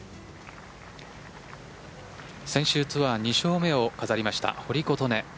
先週、ツアー２勝目を飾りました堀琴音。